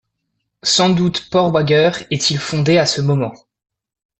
Sans doute Port-Wager est-il fondé à ce moment.